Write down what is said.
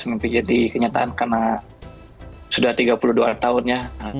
mimpi jadi kenyataan karena sudah tiga puluh dua tahun ya